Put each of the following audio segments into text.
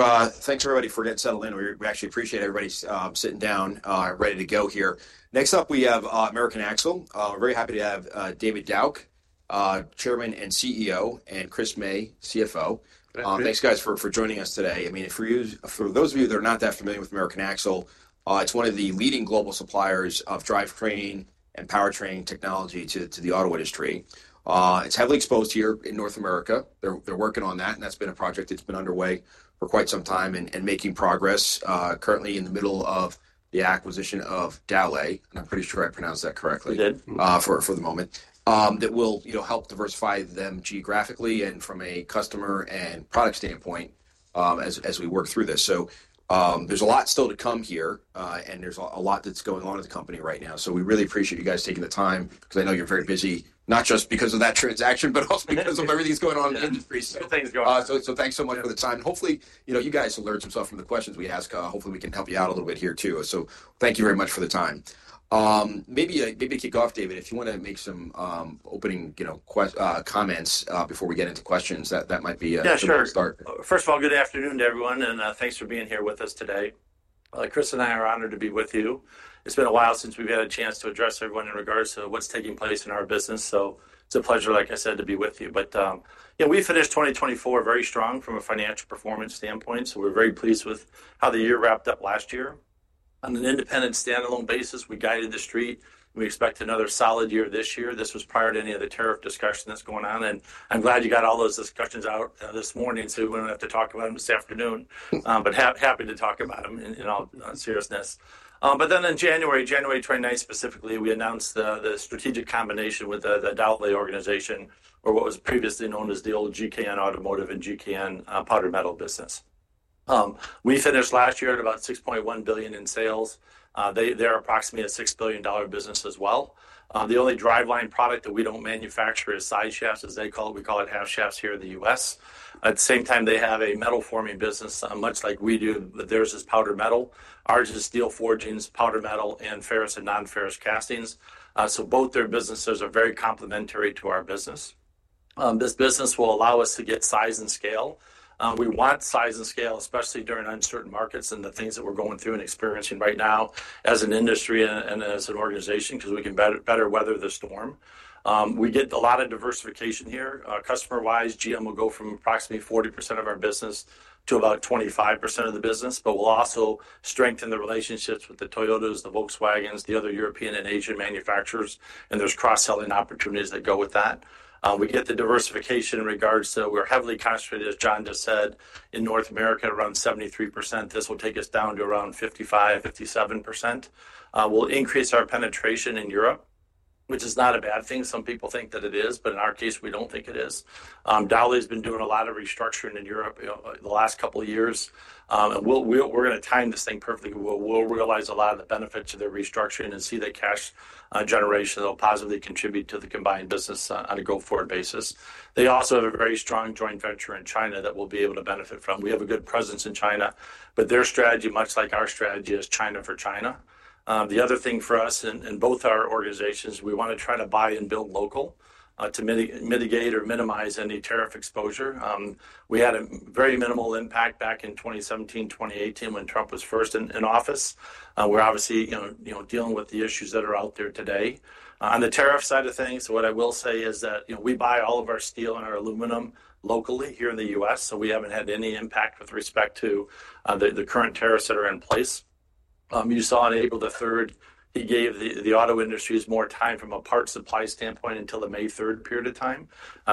Thanks, everybody, for settling in. We actually appreciate everybody sitting down, ready to go here. Next up, we have American Axle. We're very happy to have David Dauch, Chairman and CEO, and Chris May, CFO. Thanks, guys, for joining today. I mean, for those of you that are not that familiar with American Axle, it's one of the leading global suppliers of driveline and powertrain technology to the auto industry. It's heavily exposed here in North America. They're working on that, and that's been a project that's been underway for quite some time and making progress. Currently in the middle of the acquisition of Dowlais, and I'm pretty sure I pronounced that correctly for the moment, that will help diversify them geographically and from a customer and product standpoint as we work through this. There is a lot still to come here, and there is a lot that is going on at the company right now. We really appreciate you guys taking the time because I know you are very busy, not just because of that transaction, but also because of everything that is going on in the industry. Thanks, guys. Thanks so much for the time. Hopefully, you guys learned some stuff from the questions we asked. Hopefully, we can help you out a little bit here too. Thank you very much for the time. Maybe to kick off, David, if you want to make some opening comments before we get into questions, that might be a good start. Yeah, sure. First of all, good afternoon to everyone, and thanks for being here with us today. Chris and I are honored to be with you. It's been a while since we've had a chance to address everyone in regards to what's taking place in our business. It's a pleasure, like I said, to be with you. We finished 2024 very strong from a financial performance standpoint. We're very pleased with how the year wrapped up last year. On an independent, standalone basis, we guided the street. We expect another solid year this year. This was prior to any of the tariff discussion that's going on. I'm glad you got all those discussions out this morning so we don't have to talk about them this afternoon. Happy to talk about them in all seriousness. In January, January 29 specifically, we announced the strategic combination with the Dowlais organization, or what was previously known as the old GKN Automotive and GKN Powder Metallurgy business. We finished last year at about $6.1 billion in sales. They are approximately a $6 billion business as well. The only driveline product that we do not manufacture is side shafts, as they call it. We call it half shafts here in the U.S. At the same time, they have a metal forming business, much like we do, but theirs is powdered metal. Ours is steel forgings, powdered metal, and ferrous and non-ferrous castings. Both their businesses are very complementary to our business. This business will allow us to get size and scale. We want size and scale, especially during uncertain markets and the things that we're going through and experiencing right now as an industry and as an organization because we can better weather the storm. We get a lot of diversification here. Customer-wise, GM will go from approximately 40% of our business to about 25% of the business, but we'll also strengthen the relationships with the Toyotas, the Volkswagens, the other European and Asian manufacturers, and there's cross-selling opportunities that go with that. We get the diversification in regards to we're heavily concentrated, as John just said, in North America at around 73%. This will take us down to around 55%-57%. We'll increase our penetration in Europe, which is not a bad thing. Some people think that it is, but in our case, we don't think it is. Dowlais has been doing a lot of restructuring in Europe the last couple of years. We're going to time this thing perfectly. We'll realize a lot of the benefits of their restructuring and see the cash generation that will positively contribute to the combined business on a go-forward basis. They also have a very strong joint venture in China that we'll be able to benefit from. We have a good presence in China, but their strategy, much like our strategy, is China for China. The other thing for us in both our organizations, we want to try to buy and build local to mitigate or minimize any tariff exposure. We had a very minimal impact back in 2017, 2018 when Trump was first in office. We're obviously dealing with the issues that are out there today. On the tariff side of things, what I will say is that we buy all of our steel and our aluminum locally here in the U.S., so we have not had any impact with respect to the current tariffs that are in place. You saw on April the 3rd, he gave the auto industry more time from a parts supply standpoint until the May 3rd period of time.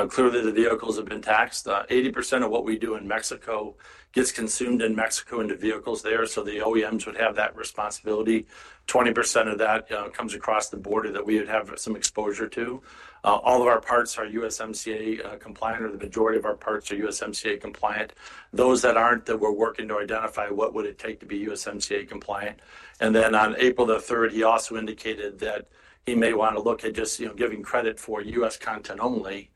Clearly, the vehicles have been taxed. 80% of what we do in Mexico gets consumed in Mexico into vehicles there. The OEMs would have that responsibility. 20% of that comes across the border that we would have some exposure to. All of our parts are USMCA compliant, or the majority of our parts are USMCA compliant. Those that are not, we are working to identify what it would take to be USMCA compliant. On April the 3rd, he also indicated that he may want to look at just giving credit for U.S. content only,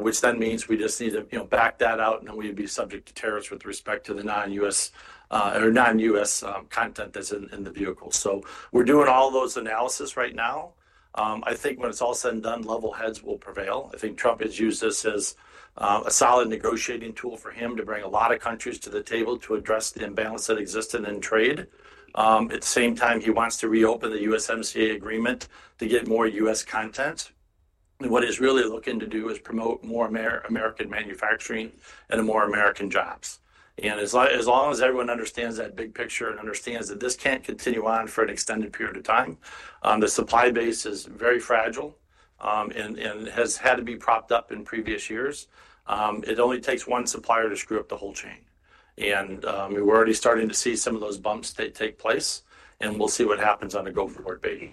which then means we just need to back that out, and then we would be subject to tariffs with respect to the non-U.S. content that's in the vehicles. We are doing all those analyses right now. I think when it's all said and done, level heads will prevail. I think Trump has used this as a solid negotiating tool for him to bring a lot of countries to the table to address the imbalance that exists in trade. At the same time, he wants to reopen the USMCA agreement to get more U.S. content. What he's really looking to do is promote more American manufacturing and more American jobs. As long as everyone understands that big picture and understands that this can't continue on for an extended period of time, the supply base is very fragile and has had to be propped up in previous years. It only takes one supplier to screw up the whole chain. We're already starting to see some of those bumps take place, and we'll see what happens on a go-forward basis.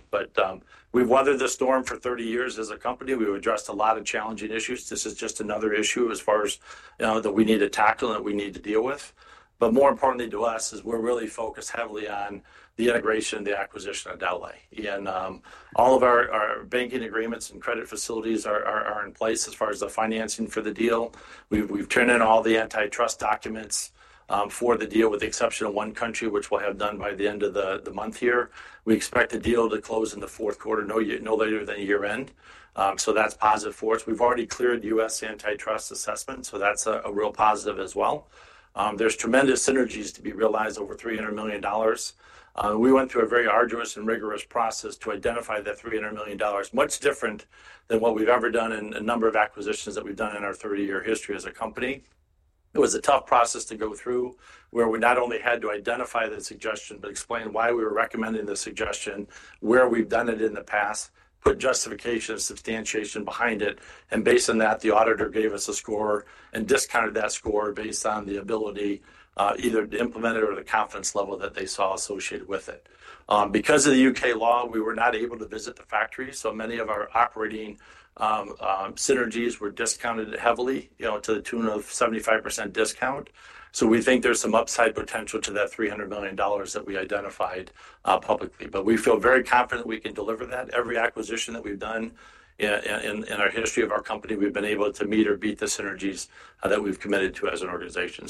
We've weathered the storm for 30 years as a company. We've addressed a lot of challenging issues. This is just another issue as far as that we need to tackle and that we need to deal with. More importantly to us is we're really focused heavily on the integration and the acquisition of Dowlais. All of our banking agreements and credit facilities are in place as far as the financing for the deal. We've turned in all the antitrust documents for the deal with the exception of one country, which we'll have done by the end of the month here. We expect the deal to close in the fourth quarter, no later than year-end. That's positive for us. We've already cleared U.S. antitrust assessments, so that's a real positive as well. There's tremendous synergies to be realized over $300 million. We went through a very arduous and rigorous process to identify the $300 million, much different than what we've ever done in a number of acquisitions that we've done in our 30-year history as a company. It was a tough process to go through where we not only had to identify the suggestion, but explain why we were recommending the suggestion, where we've done it in the past, put justification and substantiation behind it. Based on that, the auditor gave us a score and discounted that score based on the ability either to implement it or the confidence level that they saw associated with it. Because of the U.K. law, we were not able to visit the factory, so many of our operating synergies were discounted heavily to the tune of a 75% discount. We think there's some upside potential to that $300 million that we identified publicly. We feel very confident we can deliver that. Every acquisition that we've done in our history of our company, we've been able to meet or beat the synergies that we've committed to as an organization.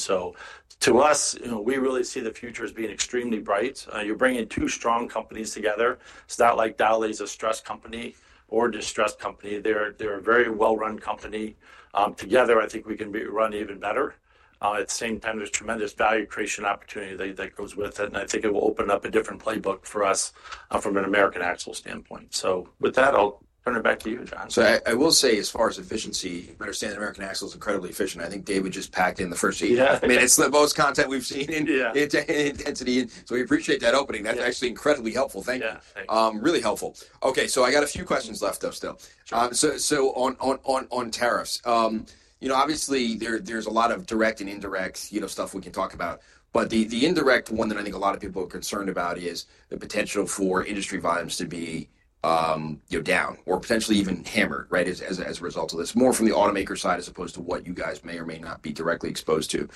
To us, we really see the future as being extremely bright. You're bringing two strong companies together. It's not like Dowlais is a stressed company or distressed company. They're a very well-run company. Together, I think we can run even better. At the same time, there is tremendous value creation opportunity that goes with it. I think it will open up a different playbook for us from an American Axle standpoint. With that, I'll turn it back to you, John. As far as efficiency, I understand that American Axle is incredibly efficient. I think David just packed in the first eight. I mean, it's the most content we've seen in intensity. We appreciate that opening. That's actually incredibly helpful. Thank you. Really helpful. Okay, I got a few questions left though still. On tariffs, obviously, there's a lot of direct and indirect stuff we can talk about. The indirect one that I think a lot of people are concerned about is the potential for industry volumes to be down or potentially even hammered as a result of this, more from the automaker side as opposed to what you guys may or may not be directly exposed to.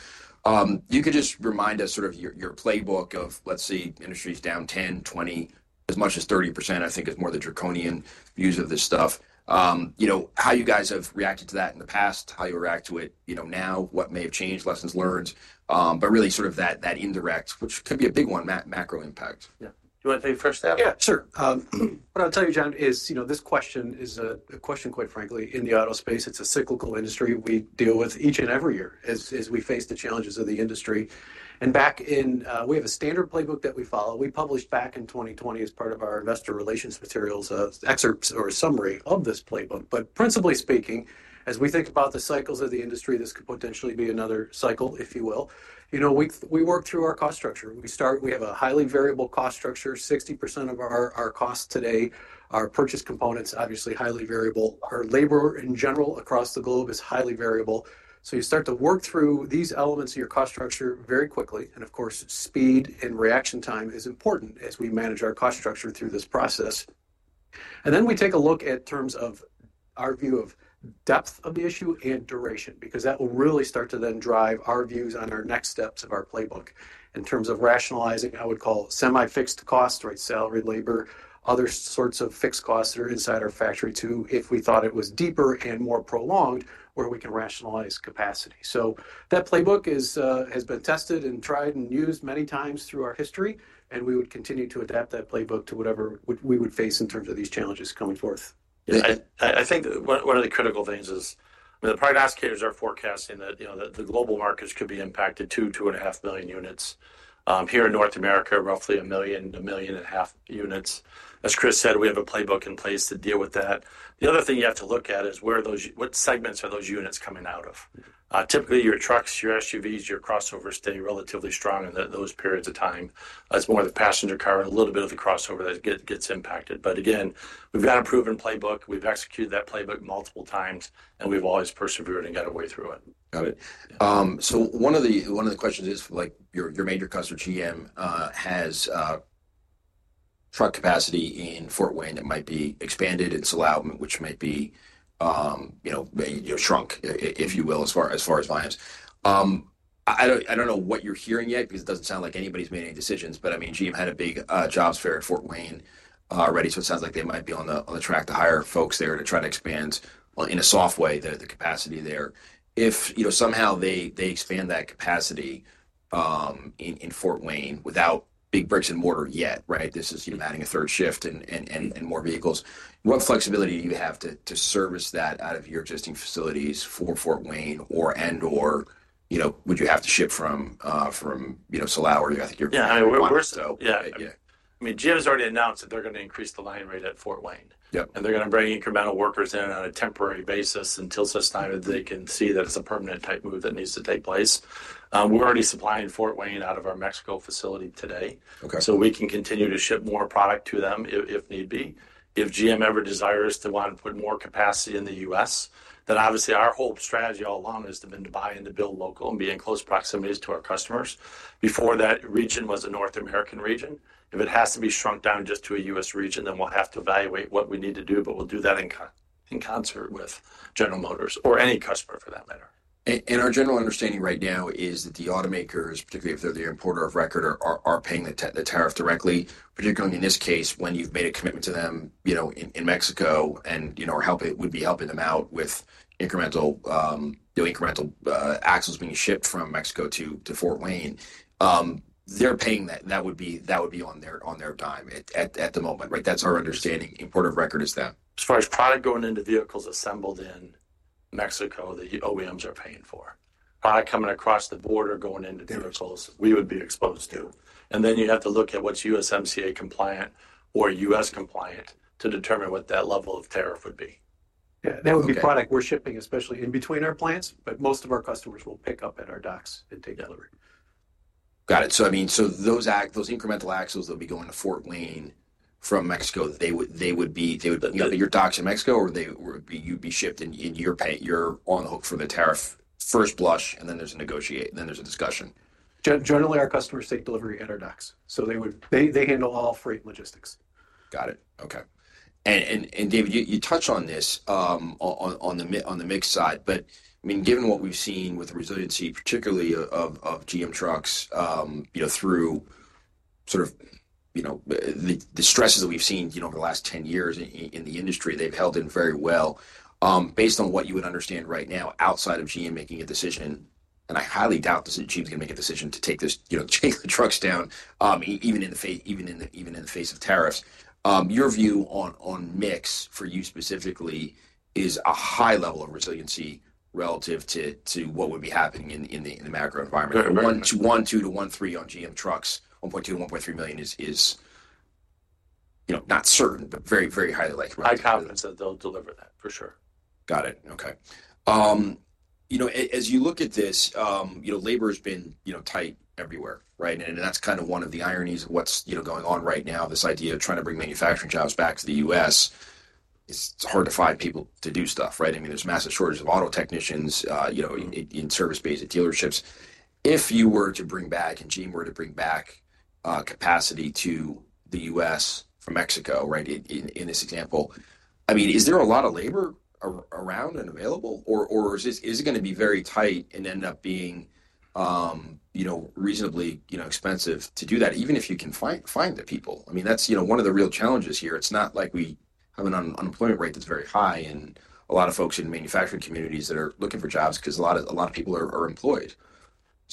You could just remind us sort of your playbook of, let's see, industry's down 10%, 20%, as much as 30%, I think is more the draconian views of this stuff. How you guys have reacted to that in the past, how you react to it now, what may have changed, lessons learned, but really sort of that indirect, which could be a big one, macro impact. Yeah. Do you want to take first, David? Yeah, sure. What I'll tell you, John, is this question is a question, quite frankly, in the auto space. It's a cyclical industry we deal with each and every year as we face the challenges of the industry. Back in, we have a standard playbook that we follow. We published back in 2020 as part of our investor relations materials, excerpts or a summary of this playbook. Principally speaking, as we think about the cycles of the industry, this could potentially be another cycle, if you will. We work through our cost structure. We have a highly variable cost structure. 60% of our costs today are purchase components, obviously highly variable. Our labor in general across the globe is highly variable. You start to work through these elements of your cost structure very quickly. Of course, speed and reaction time is important as we manage our cost structure through this process. We take a look at terms of our view of depth of the issue and duration because that will really start to then drive our views on our next steps of our playbook in terms of rationalizing, I would call semi-fixed costs, right? Salary, labor, other sorts of fixed costs that are inside our factory too, if we thought it was deeper and more prolonged where we can rationalize capacity. That playbook has been tested and tried and used many times through our history, and we would continue to adapt that playbook to whatever we would face in terms of these challenges coming forth. I think one of the critical things is, I mean, the prognosticators are forecasting that the global markets could be impacted two, two and a half million units. Here in North America, roughly a million, a million and a half units. As Chris said, we have a playbook in place to deal with that. The other thing you have to look at is what segments are those units coming out of. Typically, your trucks, your SUVs, your crossovers stay relatively strong in those periods of time. It's more the passenger car and a little bit of the crossover that gets impacted. Again, we've got a proven playbook. We've executed that playbook multiple times, and we've always persevered and got away through it. Got it. One of the questions is, your major customer, GM, has truck capacity in Fort Wayne that might be expanded in Silao, which might be shrunk, if you will, as far as volumes. I don't know what you're hearing yet because it doesn't sound like anybody's made any decisions. I mean, GM had a big jobs fair at Fort Wayne already. It sounds like they might be on the track to hire folks there to try to expand in a soft way the capacity there. If somehow they expand that capacity in Fort Wayne without big bricks and mortar yet, right? This is adding a third shift and more vehicles. What flexibility do you have to service that out of your existing facilities for Fort Wayne or/and/or would you have to ship from Silao or do you think you're going to do that? Yeah. I mean, GM has already announced that they're going to increase the line rate at Fort Wayne. They're going to bring incremental workers in on a temporary basis until such time that they can see that it's a permanent type move that needs to take place. We're already supplying Fort Wayne out of our Mexico facility today. We can continue to ship more product to them if need be. If GM ever desires to want to put more capacity in the U.S., then obviously our whole strategy all along has been to buy and to build local and be in close proximities to our customers. Before that region was a North American region. If it has to be shrunk down just to a U.S. region, then we'll have to evaluate what we need to do, but we'll do that in concert with General Motors or any customer for that matter. Our general understanding right now is that the automakers, particularly if they're the importer of record, are paying the tariff directly, particularly in this case when you've made a commitment to them in Mexico and would be helping them out with incremental axles being shipped from Mexico to Fort Wayne. They're paying that. That would be on their dime at the moment, right? That's our understanding. Importer of record is that. As far as product going into vehicles assembled in Mexico, the OEMs are paying for. Product coming across the border going into vehicles, we would be exposed to. You have to look at what's USMCA compliant or U.S. compliant to determine what that level of tariff would be. Yeah. That would be product we're shipping, especially in between our plants, but most of our customers will pick up at our docks and take delivery. Got it. I mean, those incremental axles that would be going to Fort Wayne from Mexico, they would be at your docks in Mexico or you'd be shipped and you're on the hook for the tariff first blush, and then there's a negotiate, then there's a discussion. Generally, our customers take delivery at our docks. They handle all freight logistics. Got it. Okay. David, you touched on this on the mix side, but I mean, given what we've seen with the resiliency, particularly of GM trucks through sort of the stresses that we've seen over the last 10 years in the industry, they've held in very well. Based on what you would understand right now, outside of GM making a decision, and I highly doubt that GM's going to make a decision to chain the trucks down even in the face of tariffs, your view on mix for you specifically is a high level of resiliency relative to what would be happening in the macro environment. 1.2 million-1.3 million on GM trucks, 1.2 million to 1.3 million is not certain, but very, very highly likely. High confidence that they'll deliver that, for sure. Got it. Okay. As you look at this, labor has been tight everywhere, right? That is kind of one of the ironies of what is going on right now, this idea of trying to bring manufacturing jobs back to the U.S. It is hard to find people to do stuff, right? I mean, there are massive shortages of auto technicians in service-based dealerships. If you were to bring back, and GM were to bring back capacity to the U.S. from Mexico, right, in this example, I mean, is there a lot of labor around and available, or is it going to be very tight and end up being reasonably expensive to do that, even if you can find the people? I mean, that is one of the real challenges here. It's not like we have an unemployment rate that's very high and a lot of folks in manufacturing communities that are looking for jobs because a lot of people are employed.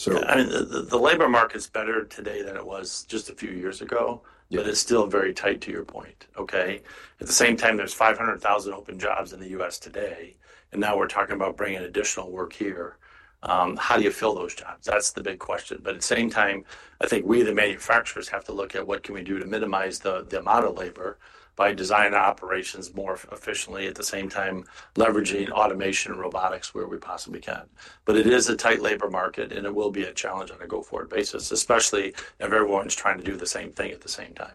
I mean, the labor market's better today than it was just a few years ago, but it's still very tight to your point, okay? At the same time, there's 500,000 open jobs in the U.S. today, and now we're talking about bringing additional work here. How do you fill those jobs? That's the big question. At the same time, I think we the manufacturers have to look at what can we do to minimize the amount of labor by designing operations more efficiently, at the same time leveraging automation and robotics where we possibly can. It is a tight labor market, and it will be a challenge on a go-forward basis, especially if everyone's trying to do the same thing at the same time.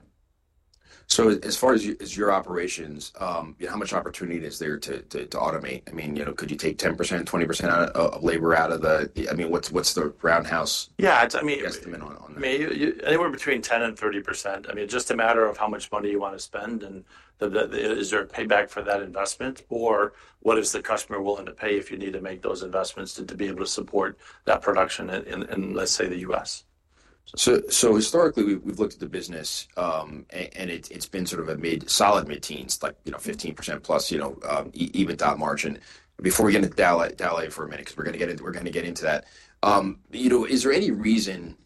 As far as your operations, how much opportunity is there to automate? I mean, could you take 10%, 20% of labor out of the, I mean, what's the roundhouse estimate on that? Yeah. I mean, anywhere between 10% and 30%. I mean, just a matter of how much money you want to spend and is there a payback for that investment or what is the customer willing to pay if you need to make those investments to be able to support that production in, let's say, the U.S.? Historically, we've looked at the business, and it's been sort of a solid mid-teens, like 15% plus, EBITDA margin. Before we get into Dowlais for a minute, because we're going to get into that, is there any reason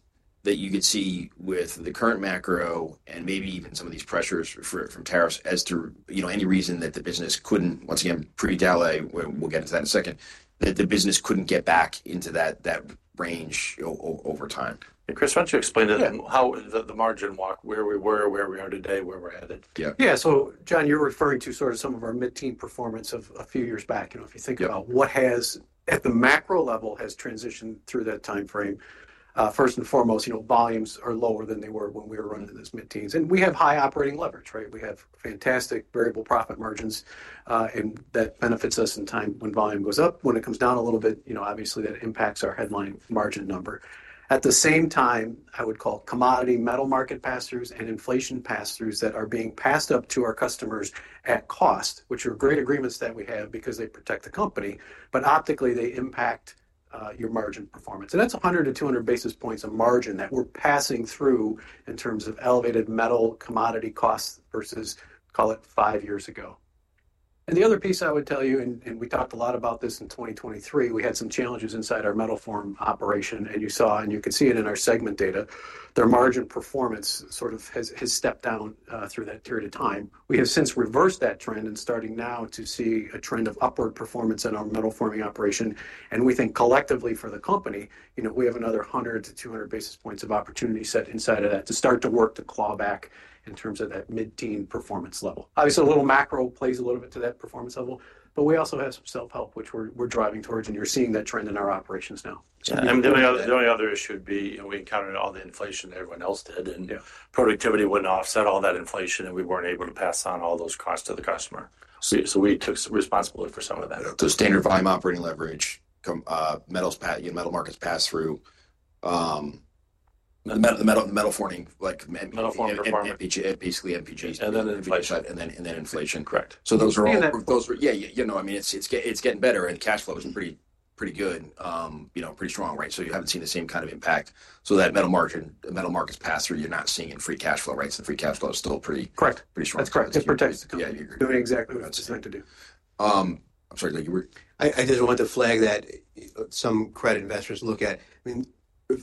that you could see with the current macro and maybe even some of these pressures from tariffs as to any reason that the business couldn't, once again, pre-Dowlais, we'll get into that in a second, that the business couldn't get back into that range over time? Chris, why don't you explain the margin walk, where we were, where we are today, where we're headed? Yeah. John, you're referring to sort of some of our mid-teens performance of a few years back. If you think about what has, at the macro level, has transitioned through that timeframe, first and foremost, volumes are lower than they were when we were running this mid-teens. We have high operating leverage, right? We have fantastic variable profit margins, and that benefits us in time when volume goes up. When it comes down a little bit, obviously, that impacts our headline margin number. At the same time, I would call commodity metal market pass-throughs and inflation pass-throughs that are being passed up to our customers at cost, which are great agreements that we have because they protect the company, but optically, they impact your margin performance. That is 100 to 200 basis points of margin that we are passing through in terms of elevated metal commodity costs versus, call it, five years ago. The other piece I would tell you, and we talked a lot about this in 2023, we had some challenges inside our metal forming operation, and you saw, and you can see it in our segment data, their margin performance sort of has stepped down through that period of time. We have since reversed that trend and are starting now to see a trend of upward performance in our metal forming operation. We think collectively for the company, we have another 100 to 200 basis points of opportunity set inside of that to start to work to claw back in terms of that margin performance level. Obviously, a little macro plays a little bit to that performance level, but we also have some self-help, which we're driving towards, and you're seeing that trend in our operations now. The only other issue would be we encountered all the inflation that everyone else did, and productivity would not offset all that inflation, and we were not able to pass on all those costs to the customer. We took responsibility for some of that. Standard volume operating leverage, metal markets pass-through, the metal forming, like MPG. Metal forming, MPG. Basically MPG. Inflation. Inflation, correct. Those are all, yeah, yeah, no, I mean, it's getting better, and cash flow is pretty good, pretty strong, right? You haven't seen the same kind of impact. That metal market's pass-through, you're not seeing in free cash flow, right? The free cash flow is still pretty strong. Correct. That's correct. It protects the company. Yeah, you agree. Doing exactly what it's designed to do. I'm sorry, David. I just wanted to flag that some credit investors look at, I mean,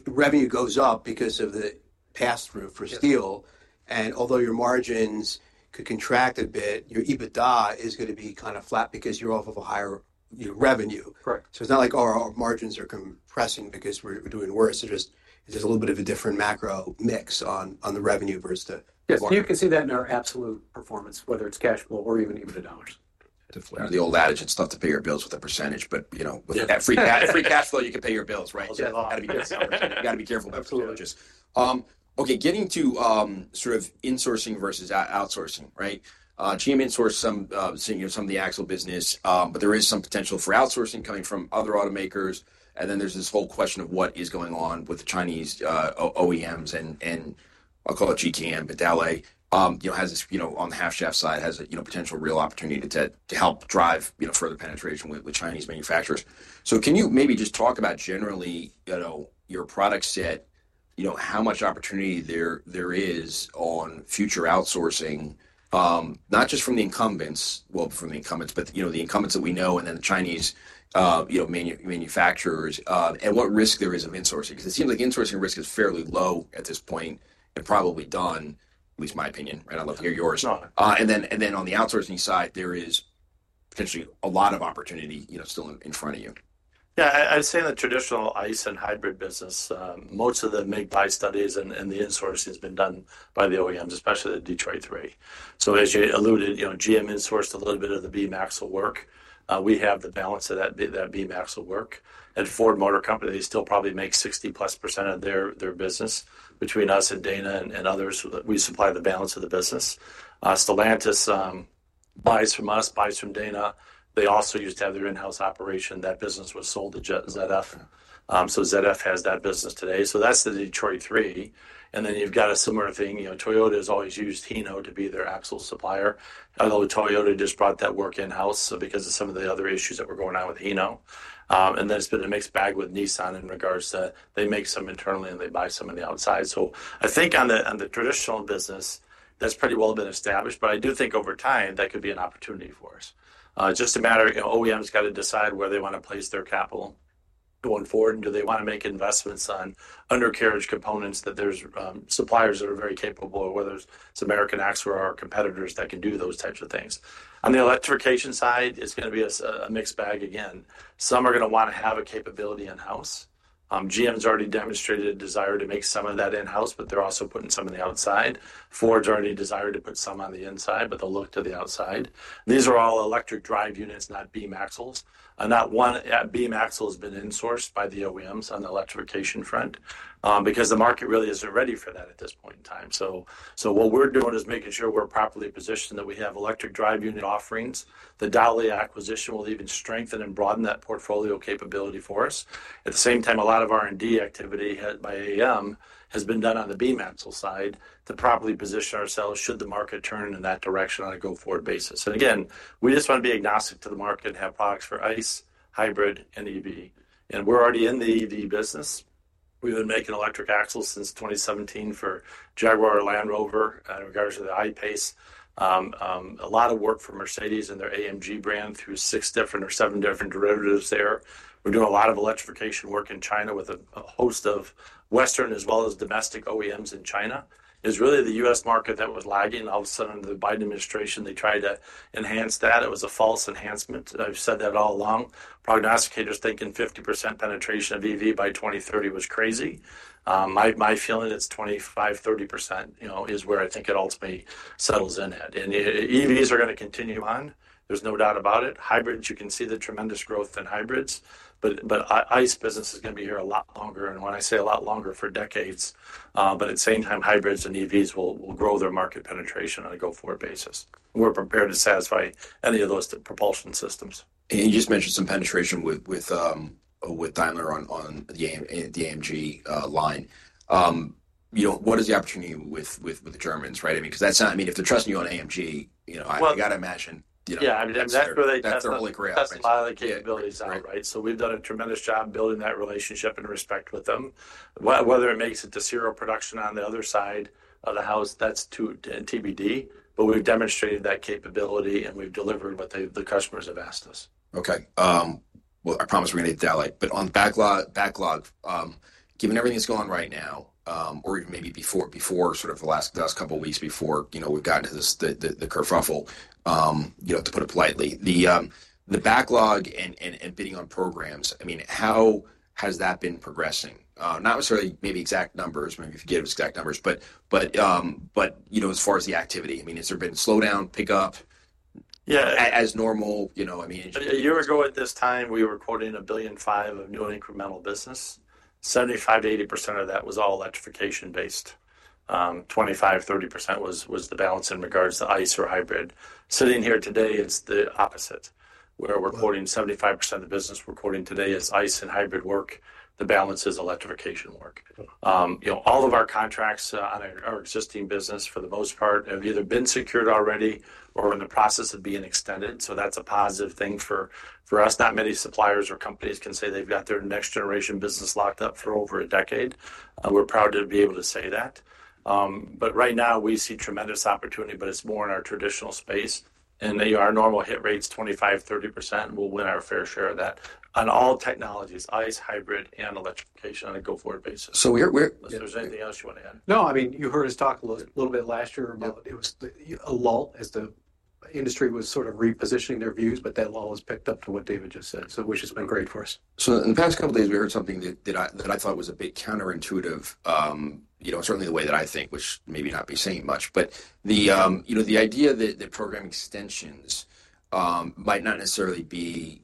revenue goes up because of the pass-through for steel. And although your margins could contract a bit, your EBITDA is going to be kind of flat because you're off of a higher revenue. So it's not like our margins are compressing because we're doing worse. It's just a little bit of a different macro mix on the revenue versus the margin. Yes. You can see that in our absolute performance, whether it's cash flow or even EBITDA dollars. The old adage, it's tough to pay your bills with a percentage, but with that free cash flow, you can pay your bills, right? You got to be careful about the challenges. Okay. Getting to sort of insourcing versus outsourcing, right? GM insourced some of the axle business, but there is some potential for outsourcing coming from other automakers. Then there's this whole question of what is going on with the Chinese OEMs and I'll call it GKN, but Dauch has this on the half-shaft side, has a potential real opportunity to help drive further penetration with Chinese manufacturers. Can you maybe just talk about generally your product set, how much opportunity there is on future outsourcing, not just from the incumbents, well, from the incumbents, but the incumbents that we know and then the Chinese manufacturers, and what risk there is of insourcing? Because it seems like insourcing risk is fairly low at this point and probably done, at least my opinion, right? I'd love to hear yours. Then on the outsourcing side, there is potentially a lot of opportunity still in front of you. Yeah. I'd say in the traditional ICE and hybrid business, most of the mid-buy studies and the insourcing has been done by the OEMs, especially the Detroit 3. As you alluded, GM insourced a little bit of the beam axle work. We have the balance of that beam axle work. Ford Motor Company, they still probably make 60+% of their business. Between us and Dana and others, we supply the balance of the business. Stellantis buys from us, buys from Dana. They also used to have their in-house operation. That business was sold to ZF, so ZF has that business today. That's the Detroit 3. You've got a similar thing. Toyota has always used Hino to be their axle supplier, although Toyota just brought that work in-house because of some of the other issues that were going on with Hino. It has been a mixed bag with Nissan in regards to they make some internally and they buy some on the outside. I think on the traditional business, that's pretty well been established, but I do think over time that could be an opportunity for us. It is just a matter of OEMs got to decide where they want to place their capital going forward, and do they want to make investments on undercarriage components when there are suppliers that are very capable, whether it's American Axle or our competitors that can do those types of things. On the electrification side, it's going to be a mixed bag again. Some are going to want to have a capability in-house. GM's already demonstrated a desire to make some of that in-house, but they're also putting some on the outside. Ford's already desired to put some on the inside, but they'll look to the outside. These are all electric drive units, not beam axles. Not one beam axle has been insourced by the OEMs on the electrification front because the market really isn't ready for that at this point in time. What we're doing is making sure we're properly positioned that we have electric drive unit offerings. The Dowlais acquisition will even strengthen and broaden that portfolio capability for us. At the same time, a lot of R&D activity by AAM has been done on the beam axle side to properly position ourselves should the market turn in that direction on a go-forward basis. We just want to be agnostic to the market and have products for ICE, hybrid, and EV. We're already in the EV business. We've been making electric axles since 2017 for Jaguar and Land Rover in regards to the I-PACE. A lot of work for Mercedes and their AMG brand through six different or seven different derivatives there. We're doing a lot of electrification work in China with a host of Western as well as domestic OEMs in China. It's really the U.S. market that was lagging. All of a sudden, the Biden administration, they tried to enhance that. It was a false enhancement. I've said that all along. Prognosticators thinking 50% penetration of EV by 2030 was crazy. My feeling it's 25%-30% is where I think it ultimately settles in at. EVs are going to continue on. There's no doubt about it. Hybrids, you can see the tremendous growth in hybrids, but ICE business is going to be here a lot longer. When I say a lot longer, for decades, but at the same time, hybrids and EVs will grow their market penetration on a go-forward basis. We're prepared to satisfy any of those propulsion systems. You just mentioned some penetration with Daimler on the AMG line. What is the opportunity with the Germans, right? I mean, because that's not, I mean, if they're trusting you on AMG, you got to imagine. Yeah. I mean, that's where they test. That's where they're really crafting. That's where a lot of the capabilities are, right? We have done a tremendous job building that relationship and respect with them. Whether it makes it to serial production on the other side of the house, that's to TBD, but we have demonstrated that capability and we have delivered what the customers have asked us. Okay. I promise we're going to hit Dauch, but on backlog, given everything that's going on right now, or even maybe before sort of the last couple of weeks before we've gotten to the kerfuffle, to put it politely, the backlog and bidding on programs, how has that been progressing? Not necessarily maybe exact numbers, maybe if you give us exact numbers, but as far as the activity, has there been slowdown, pickup as normal? I mean. A year ago at this time, we were quoting $1.5 billion of new and incremental business. 75%-80% of that was all electrification-based. 25%-30% was the balance in regards to ICE or hybrid. Sitting here today, it's the opposite. We're quoting 75% of the business we're quoting today as ICE and hybrid work. The balance is electrification work. All of our contracts on our existing business, for the most part, have either been secured already or are in the process of being extended. That is a positive thing for us. Not many suppliers or companies can say they've got their next-generation business locked up for over a decade. We're proud to be able to say that. Right now, we see tremendous opportunity, but it's more in our traditional space. Our normal hit rate's 25%-30%, and we'll win our fair share of that on all technologies, ICE, hybrid, and electrification on a go-forward basis. So we're. If there's anything else you want to add. No, I mean, you heard us talk a little bit last year about it was a lull as the industry was sort of repositioning their views, but that lull was picked up to what David just said, which has been great for us. In the past couple of days, we heard something that I thought was a bit counterintuitive, certainly the way that I think, which maybe not be saying much, but the idea that the program extensions might not necessarily be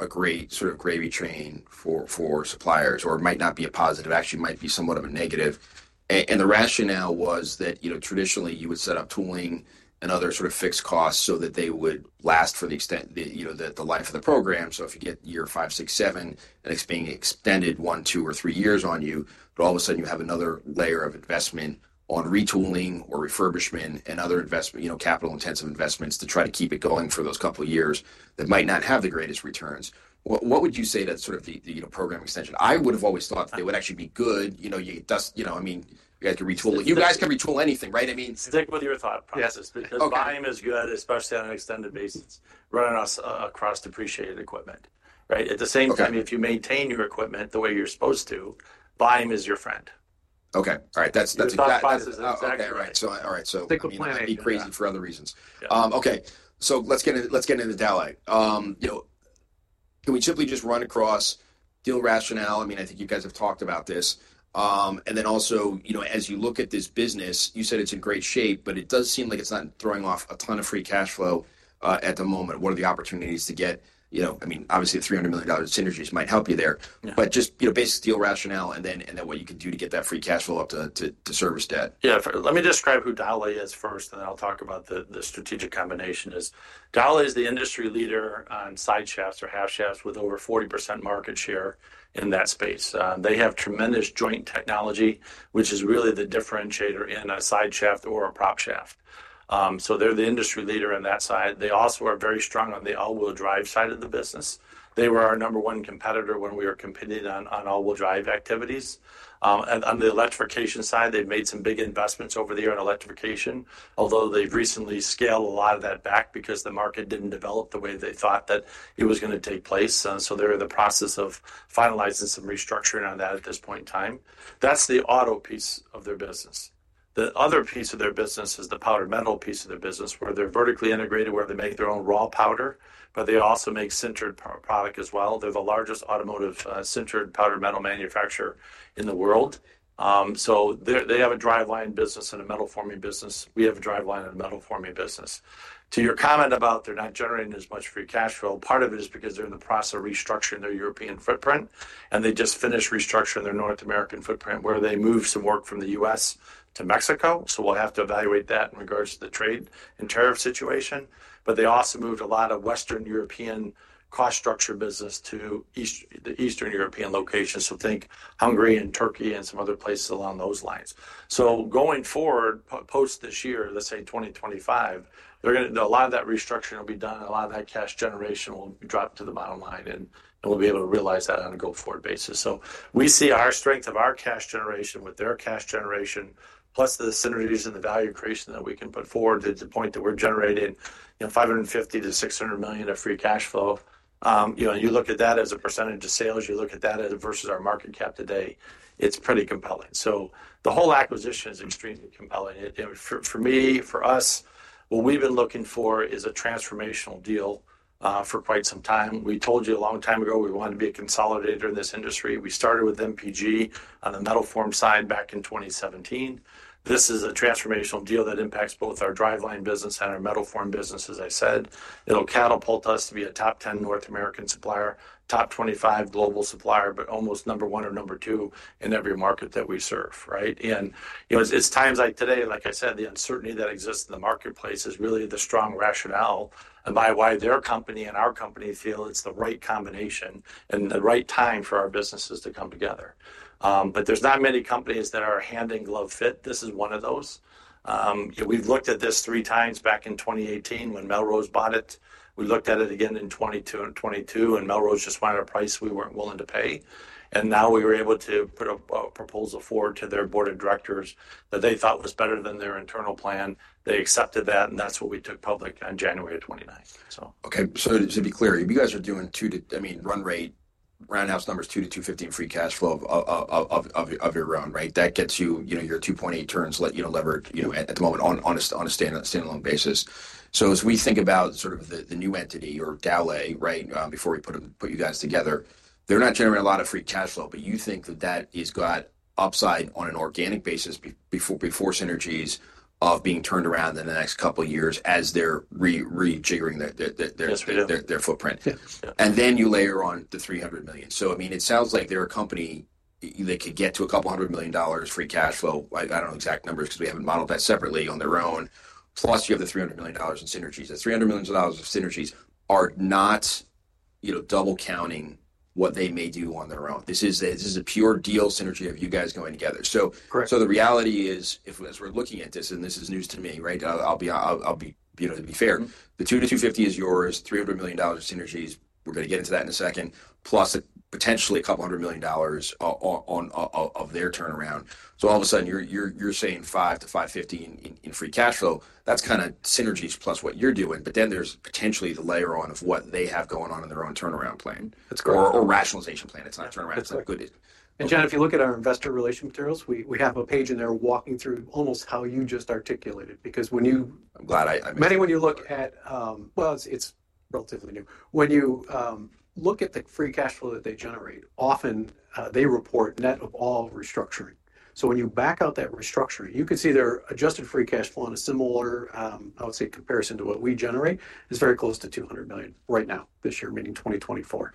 a great sort of gravy train for suppliers or might not be a positive, actually might be somewhat of a negative. The rationale was that traditionally, you would set up tooling and other sort of fixed costs so that they would last for the life of the program. If you get year five, six, seven, and it's being extended one, two, or three years on you, but all of a sudden, you have another layer of investment on retooling or refurbishment and other capital-intensive investments to try to keep it going for those couple of years that might not have the greatest returns. What would you say that sort of the program extension? I would have always thought they would actually be good. I mean, you guys can retool. You guys can retool anything, right? I mean. Stick with your thought process. Yes. Because volume is good, especially on an extended basis, running across depreciated equipment, right? At the same time, if you maintain your equipment the way you're supposed to, volume is your friend. Okay. All right. That's exactly. That's the thought process. Okay. All right. It could be crazy for other reasons. All right. Let's get into Dauch. Can we simply just run across, deal rationale? I mean, I think you guys have talked about this. And then also, as you look at this business, you said it's in great shape, but it does seem like it's not throwing off a ton of free cash flow at the moment. What are the opportunities to get? I mean, obviously, the $300 million synergies might help you there, but just basic deal rationale and then what you can do to get that free cash flow up to service debt. Yeah. Let me describe who Dowlais is first, and then I'll talk about the strategic combination. Dowlais is the industry leader on side shafts or half shafts with over 40% market share in that space. They have tremendous joint technology, which is really the differentiator in a side shaft or a prop shaft. They are the industry leader on that side. They also are very strong on the all-wheel drive side of the business. They were our number one competitor when we were competing on all-wheel drive activities. On the electrification side, they have made some big investments over the year in electrification, although they have recently scaled a lot of that back because the market did not develop the way they thought that it was going to take place. They are in the process of finalizing some restructuring on that at this point in time. That is the auto piece of their business. The other piece of their business is the powder metal piece of their business, where they're vertically integrated, where they make their own raw powder, but they also make sintered product as well. They're the largest automotive sintered powder metal manufacturer in the world. So they have a driveline business and a metal forming business. We have a driveline and a metal forming business. To your comment about they're not generating as much free cash flow, part of it is because they're in the process of restructuring their European footprint, and they just finished restructuring their North American footprint, where they moved some work from the U.S. to Mexico. We'll have to evaluate that in regards to the trade and tariff situation. They also moved a lot of Western European cost structure business to the Eastern European locations, so think Hungary and Turkey and some other places along those lines. Going forward, post this year, let's say 2025, a lot of that restructuring will be done. A lot of that cash generation will drop to the bottom line, and we'll be able to realize that on a go-forward basis. We see our strength of our cash generation with their cash generation, plus the synergies and the value creation that we can put forward to the point that we're generating $550 million-$600 million of free cash flow. You look at that as a percentage of sales. You look at that versus our market cap today. It's pretty compelling. The whole acquisition is extremely compelling. For me, for us, what we've been looking for is a transformational deal for quite some time. We told you a long time ago we wanted to be a consolidator in this industry. We started with MPG on the metal form side back in 2017. This is a transformational deal that impacts both our driveline business and our metal form business, as I said. It'll catapult us to be a top 10 North American supplier, top 25 global supplier, but almost number one or number two in every market that we serve, right? It is times like today, like I said, the uncertainty that exists in the marketplace is really the strong rationale and by why their company and our company feel it's the right combination and the right time for our businesses to come together. There are not many companies that are hand and glove fit. This is one of those. We've looked at this three times back in 2018 when Melrose bought it. We looked at it again in 2022, and Melrose just wanted a price we weren't willing to pay. Now we were able to put a proposal forward to their board of directors that they thought was better than their internal plan. They accepted that, and that's what we took public on January 29th. Okay. To be clear, you guys are doing two, I mean, run rate, roundhouse numbers, $200 million-$250 million in free cash flow of your own, right? That gets you your 2.8 turns leverage at the moment on a standalone basis. As we think about sort of the new entity or Dauch, right, before we put you guys together, they are not generating a lot of free cash flow, but you think that that has got upside on an organic basis before synergies of being turned around in the next couple of years as they are rejiggering their footprint. Then you layer on the $300 million. I mean, it sounds like they are a company that could get to a couple hundred million dollars free cash flow. I do not know exact numbers because we have not modeled that separately on their own. Plus, you have the $300 million in synergies. The $300 million of synergies are not double counting what they may do on their own. This is a pure deal synergy of you guys going together. The reality is, as we're looking at this, and this is news to me, right? I'll be fair. The 2-250 is yours, $300 million synergies. We're going to get into that in a second, plus potentially a couple hundred million dollars of their turnaround. All of a sudden, you're saying 5-550 in free cash flow. That's kind of synergies plus what you're doing, but then there's potentially the layer on of what they have going on in their own turnaround plan or rationalization plan. It's not a turnaround plan. John, if you look at our investor relation materials, we have a page in there walking through almost how you just articulated because when you. I'm glad. Many, when you look at, well, it's relatively new. When you look at the free cash flow that they generate, often they report net of all restructuring. When you back out that restructuring, you can see their adjusted free cash flow in a similar, I would say, comparison to what we generate is very close to $200 million right now, this year, meaning 2024.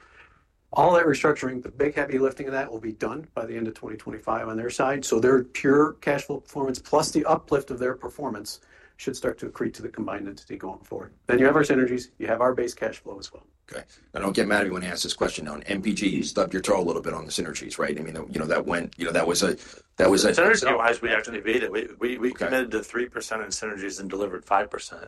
All that restructuring, the big heavy lifting of that will be done by the end of 2025 on their side. Their pure cash flow performance plus the uplift of their performance should start to accrete to the combined entity going forward. You have our synergies. You have our base cash flow as well. Okay. Now, don't get mad at me when I ask this question. MPG, you stubbed your toe a little bit on the synergies, right? I mean, that went, that was a. The synergies, we actually beat it. We committed to 3% in synergies and delivered 5%.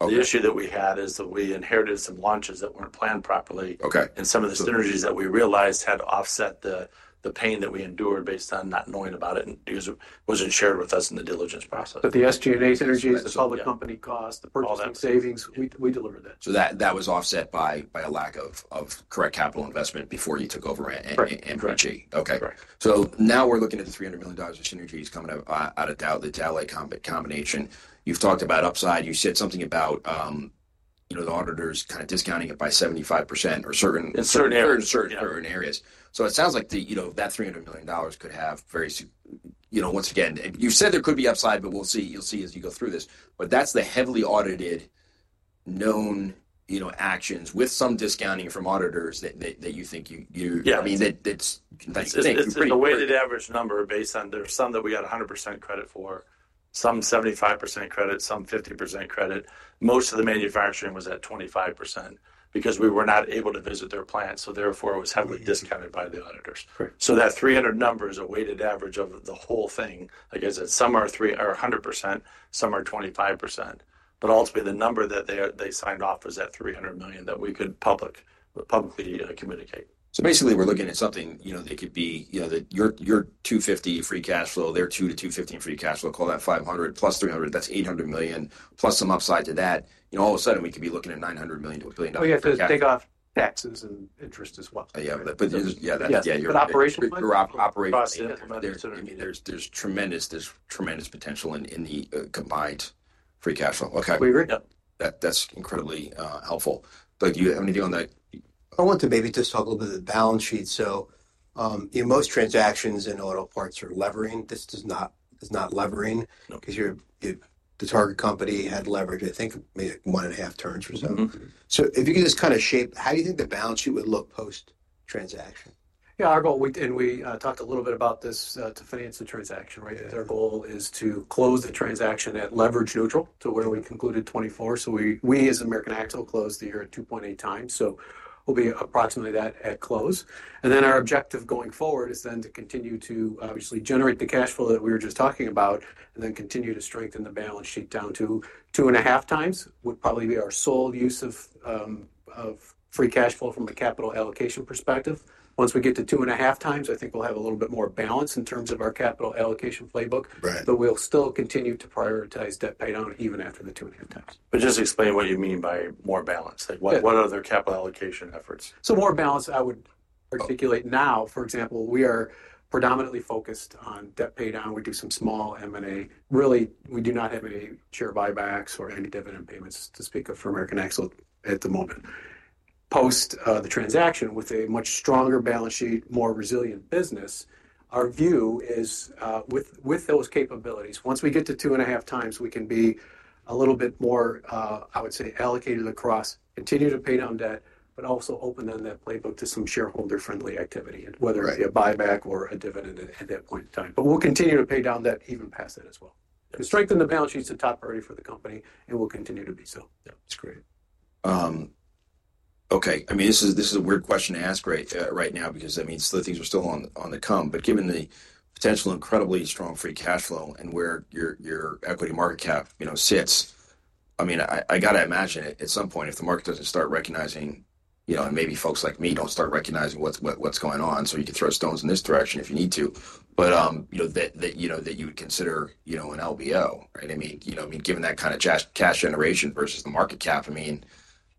The issue that we had is that we inherited some launches that were not planned properly. Some of the synergies that we realized had to offset the pain that we endured based on not knowing about it because it was not shared with us in the diligence process. The SG&A synergies. That's a public company cost. The purchasing savings, we delivered that. That was offset by a lack of correct capital investment before you took over MPG. Correct. Okay. Now we're looking at the $300 million of synergies coming out of the Dauch combination. You've talked about upside. You said something about the auditors kind of discounting it by 75% or certain. In certain areas. Certain areas. It sounds like that $300 million could have very, once again, you said there could be upside, but we'll see as you go through this. That's the heavily audited known actions with some discounting from auditors that you think you. Yeah. I mean, that's. The weighted average number based on there's some that we got 100% credit for, some 75% credit, some 50% credit. Most of the manufacturing was at 25% because we were not able to visit their plant. Therefore, it was heavily discounted by the auditors. That 300 number is a weighted average of the whole thing. Like I said, some are 100%, some are 25%. Ultimately, the number that they signed off was that $300 million that we could publicly communicate. Basically, we're looking at something that could be your $250 million free cash flow, their $200 million to $250 million in free cash flow, call that $500 million plus $300 million, that's $800 million plus some upside to that. All of a sudden, we could be looking at $900 million-$1 billion. We have to take off taxes and interest as well. Yeah. Yeah. An operation cost. I mean, there's tremendous potential in the combined free cash flow. Okay. That's incredibly helpful. Do you have anything on that? I want to maybe just talk a little bit of the balance sheet. Most transactions in auto parts are levering. This is not levering because the target company had leverage, I think, one and a half turns or so. If you could just kind of shape, how do you think the balance sheet would look post transaction? Yeah. Our goal, and we talked a little bit about this to finance the transaction, right? Our goal is to close the transaction at leverage neutral to where we concluded 2024. We as American Axle closed the year at 2.8x. We will be approximately that at close. Our objective going forward is then to continue to obviously generate the cash flow that we were just talking about and then continue to strengthen the balance sheet down to two and a half times would probably be our sole use of free cash flow from a capital allocation perspective. Once we get to two and a half times, I think we will have a little bit more balance in terms of our capital allocation playbook, but we will still continue to prioritize debt paydown even after the two and a half times. Just explain what you mean by more balance. What other capital allocation efforts? More balance, I would articulate now. For example, we are predominantly focused on debt paydown. We do some small M&A. Really, we do not have any share buybacks or any dividend payments to speak of for American Axle at the moment. Post the transaction, with a much stronger balance sheet, more resilient business, our view is with those capabilities, once we get to two and a half times, we can be a little bit more, I would say, allocated across, continue to pay down debt, but also open then that playbook to some shareholder-friendly activity, whether it's a buyback or a dividend at that point in time. We'll continue to pay down debt even past that as well. To strengthen the balance sheet is the top priority for the company, and will continue to be so. That's great. Okay. I mean, this is a weird question to ask right now because I mean, some of the things are still on the come. But given the potential incredibly strong free cash flow and where your equity market cap sits, I mean, I got to imagine at some point, if the market does not start recognizing, and maybe folks like me do not start recognizing what is going on, you can throw stones in this direction if you need to, but that you would consider an LBO, right? I mean, given that kind of cash generation versus the market cap,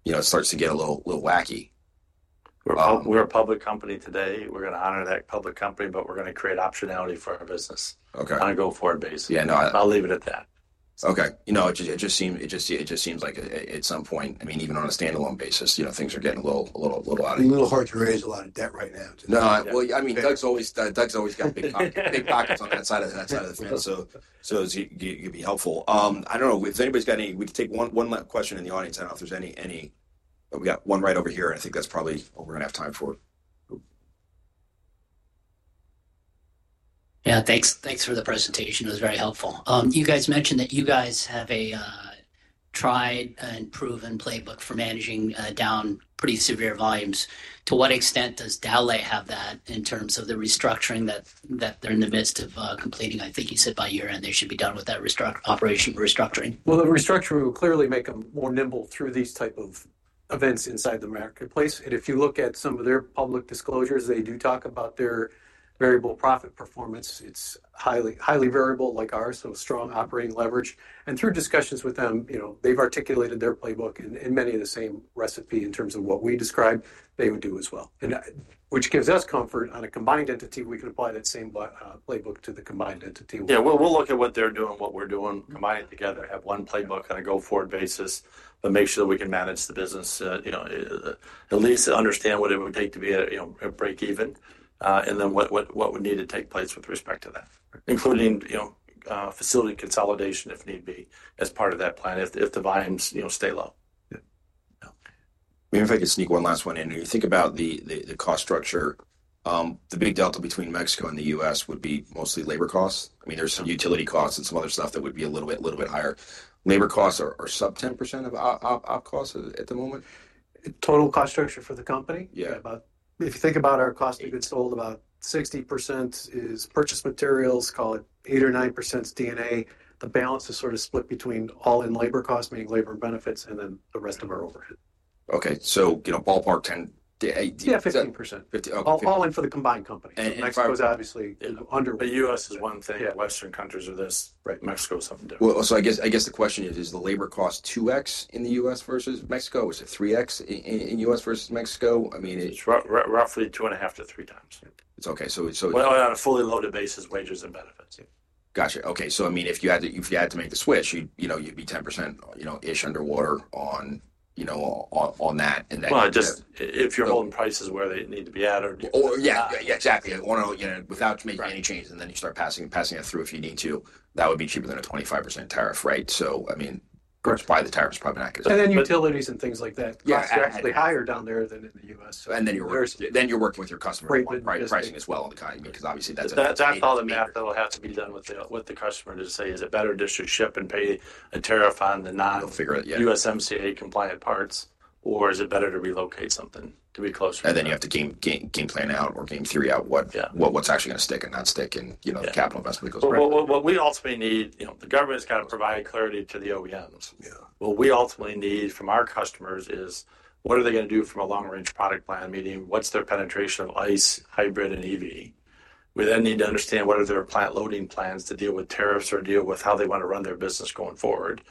it starts to get a little wacky. We're a public company today. We're going to honor that public company, but we're going to create optionality for our business on a go-forward basis. I'll leave it at that. Okay. It just seems like at some point, I mean, even on a standalone basis, things are getting a little out of. A little hard to raise a lot of debt right now. No. I mean Dauch's always got big pockets on that side of the field. So it'll be helpful. I don't know if anybody's got any, we can take one question in the audience. I don't know if there's any. We got one right over here, and I think that's probably what we're going to have time for. Yeah. Thanks for the presentation. It was very helpful. You guys mentioned that you guys have a tried and proven playbook for managing down pretty severe volumes. To what extent does Dauch have that in terms of the restructuring that they're in the midst of completing? I think you said by year-end they should be done with that operation restructuring. The restructuring will clearly make them more nimble through these type of events inside the marketplace. If you look at some of their public disclosures, they do talk about their variable profit performance. It's highly variable like ours, so strong operating leverage. Through discussions with them, they've articulated their playbook in many of the same recipe in terms of what we describe they would do as well, which gives us comfort on a combined entity. We can apply that same playbook to the combined entity. Yeah. We'll look at what they're doing, what we're doing, combine it together, have one playbook on a go-forward basis, but make sure that we can manage the business, at least understand what it would take to be at a break-even, and then what would need to take place with respect to that, including facility consolidation if need be as part of that plan if the volumes stay low. Yeah. Maybe if I could sneak one last one in. When you think about the cost structure, the big delta between Mexico and the U.S. would be mostly labor costs. I mean, there's some utility costs and some other stuff that would be a little bit higher. Labor costs are sub 10% of op costs at the moment? Total cost structure for the company? Yeah. If you think about our cost of goods sold, about 60% is purchase materials, call it 8% or 9% is D&A. The balance is sort of split between all in labor costs, meaning labor and benefits, and then the rest of our overhead. Okay. So ballpark 10. Yeah, 15%. 15. All in for the combined company. Mexico's obviously under. The U.S. is one thing. Western countries are this. Mexico's something different. I guess the question is, is the labor cost 2x in the U.S. versus Mexico? Is it 3x in U.S. versus Mexico? I mean. It's roughly two and a half to three times. It's okay. On a fully loaded basis, wages and benefits. Gotcha. Okay. I mean, if you had to make the switch, you'd be 10% underwater on that. If you're holding prices where they need to be added. Yeah. Yeah. Exactly. Without making any change, and then you start passing it through if you need to, that would be cheaper than a 25% tariff, right? I mean, just buy the tariff is probably not going to. Utilities and things like that are actually higher down there than in the U.S. You're working with your customer pricing as well on the continent because obviously that's a. That's all the math that will have to be done with the customer to say, is it better just to ship and pay a tariff on the non-USMCA compliant parts, or is it better to relocate something to be closer? You have to game plan out or game theory out what's actually going to stick and not stick, and capital investment goes right. What we ultimately need, the government's got to provide clarity to the OEMs. What we ultimately need from our customers is what are they going to do from a long-range product plan meeting? What's their penetration of ICE, hybrid, and EV? We then need to understand what are their plant loading plans to deal with tariffs or deal with how they want to run their business going forward.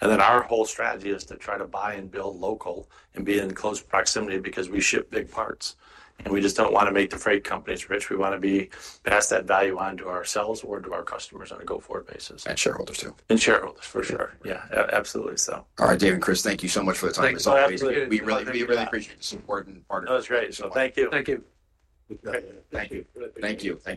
Our whole strategy is to try to buy and build local and be in close proximity because we ship big parts. We just don't want to make the freight companies rich. We want to pass that value on to ourselves or to our customers on a go-forward basis. Shareholders too. Shareholders, for sure. Yeah. Absolutely. All right. David and Chris, thank you so much for the time you've given. We really appreciate the support and partnership. That was great. Thank you. Thank you. Thank you. Thank you.